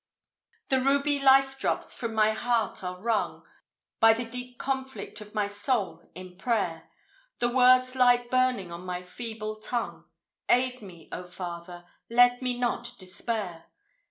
The ruby life drops from my heart are wrung, By the deep conflict of my soul in prayer; The words lie burning on my feeble tongue; Aid me, O Father! let me not despair.